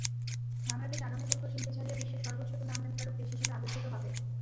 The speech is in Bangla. বাংলাদেশ আগামী বছর চীনকে ছাড়িয়ে বিশ্বের সর্বোচ্চ তুলা আমদানিকারক দেশ হিসেবে আবির্ভূত হবে।